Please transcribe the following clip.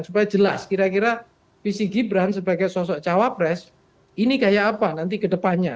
supaya jelas kira kira visi gibran sebagai sosok cawapres ini kayak apa nanti ke depannya